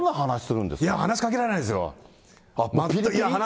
いや、話しかけられないですぴりぴり？